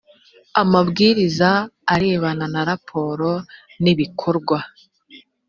amabwiriza arebana na raporo n’ibikorwa